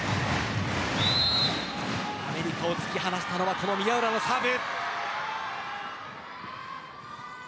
アメリカを突き放したのはこの宮浦のサーブ。